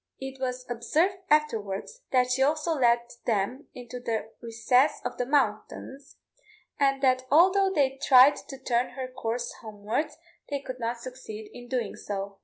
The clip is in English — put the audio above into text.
It was observed afterwards that she also led them into the recesses of the mountains, and that although they tried to turn her course homewards, they could not succeed in doing so.